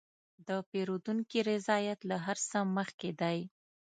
د پیرودونکي رضایت له هر څه مخکې دی.